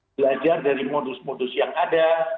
belajar dari modus modus yang ada